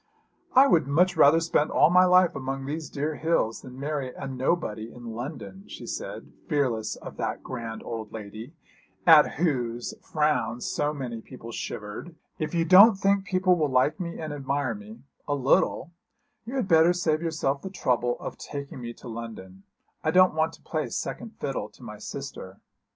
'I would much rather spend all my life among these dear hills than marry a nobody in London,' she said, fearless of that grand old lady at whose frown so many people shivered. 'If you don't think people will like me and admire me a little you had better save yourself the trouble of taking me to London. I don't want to play second fiddle to my sister.'